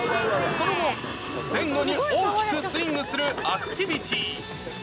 その後、前後に大きくスイングするアクティビティー。